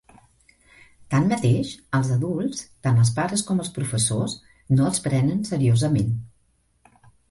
Tanmateix, els adults, tant els pares com els professors, no els prenen seriosament.